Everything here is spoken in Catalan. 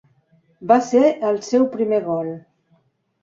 Va ser el seu primer gol.